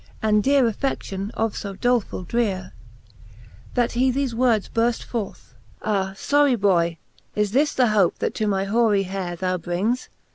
And deare affe(9:ion of {b dolefull dreare. That he thefe words burft forth; Ah fbry boy! >• Is this the hope, that to my hoary heare Thou brings